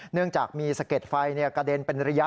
เนื่องจากมีสะเก็ดไฟกระเด็นเป็นระยะ